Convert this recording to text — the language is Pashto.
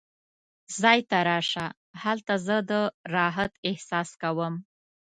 ځای ته راشه، هلته زه د راحت احساس کوم.